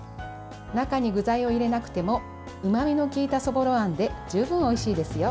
中に具材を入れなくてもうまみの利いたそぼろあんで十分おいしいですよ。